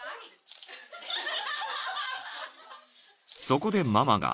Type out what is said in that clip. ［そこでママが］